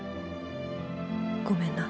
ごめんな。